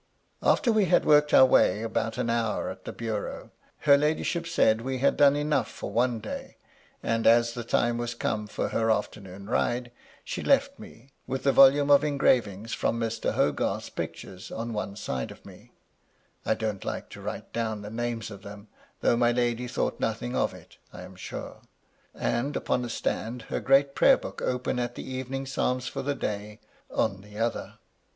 After we had worked away about an hour at the bureau, her ladyship said we had done enough for one day ; and as the time was come for her afteraoon ride, she left me, with a volume of engravings from Mr. HogartVs pic tures on one side of me (I don't like to write down the names of them, though my lady thought nothing of it, I am sure), and upon a stand her great prayer book open at the evening psalms for the day, on the other.